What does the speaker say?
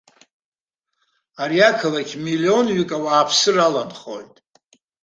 Ари ақалақь миллионҩык ауааԥсыра аланхоит.